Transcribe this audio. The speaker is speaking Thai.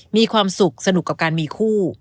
มีความสุขสนุกกับการมีคู่